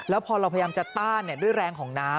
แล้วพอเราพยายามจะต้านด้วยแรงของน้ำ